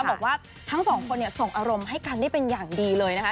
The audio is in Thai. บอกว่าทั้งสองคนส่งอารมณ์ให้กันได้เป็นอย่างดีเลยนะคะ